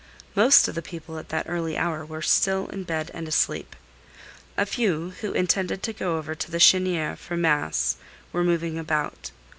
Most of the people at that early hour were still in bed and asleep. A few, who intended to go over to the Chênière for mass, were moving about.